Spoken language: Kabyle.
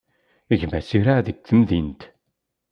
Gma-s iraɛ deg temdint.